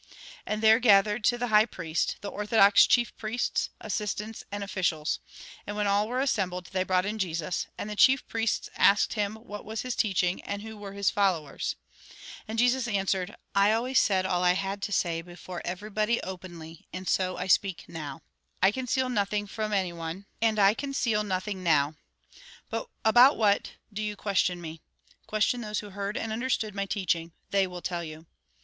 And there gathered to the high priest, the orthodox chief priests, assistants and officials. And when all were assembled, they brought in Jesus ; and the chief priests asked him, what was his teachiug, and who were his followers. And Jesus answered :" I always said all I had to say before everybody openly, and so I speak now; I concealed nothing from anyone, and I conceal Mt. xxvi. 71. 73. 74. 75. Mk. xiv. 63. Jn. xviii. 10. 20. VICTORY OF THE SPIRIT OVER THE FLESH 149 Ji]. xviii. 2i. nothing now. But about what do you question me ? Question those who heard and understood my teaching. They will tell you."